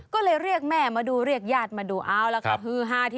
ก็เลยเรียกแม่มาดูเรียกญาติมาดู